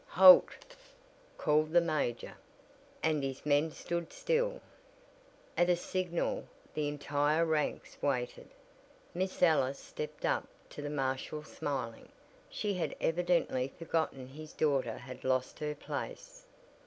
"Halt," called the major, and his men stood still. At a signal the entire ranks waited. Miss Ellis stepped up to the marshal smiling. She had evidently forgotten his daughter had lost her place.